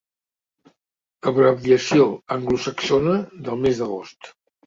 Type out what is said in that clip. Abreviació anglosaxona del mes d'agost.